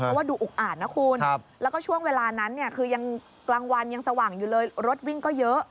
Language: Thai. เพราะว่าดูอุกอาดนะคุณแล้วก็ช่วงเวลานั้นเนี่ยคือยังกลางวันยังสว่างอยู่เลยรถวิ่งก็เยอะ